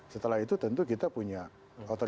setelah itu tentu kita punya otoritas